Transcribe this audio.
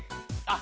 あ！